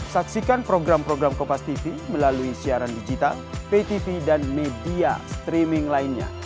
saksikan program program kompastv melalui siaran digital ptv dan media streaming lainnya